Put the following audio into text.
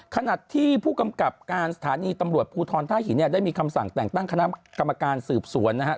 ขณะที่ผู้กำกับการสถานีตำรวจภูทรท่าหินเนี่ยได้มีคำสั่งแต่งตั้งคณะกรรมการสืบสวนนะฮะ